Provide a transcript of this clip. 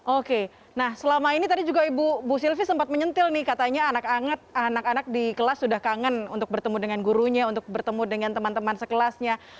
oke nah selama ini tadi juga ibu sylvie sempat menyentil nih katanya anak anak di kelas sudah kangen untuk bertemu dengan gurunya untuk bertemu dengan teman teman sekelasnya